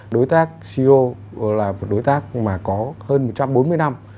đối tác co là một đối tác mà có hơn một trăm bốn mươi năm